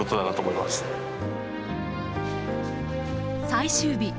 最終日。